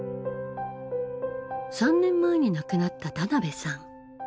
３年前に亡くなった田辺さん。